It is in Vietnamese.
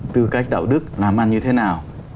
tư cách đạo đức làm ăn như thế nào